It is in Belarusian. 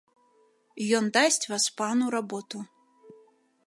Ён дасць васпану работу.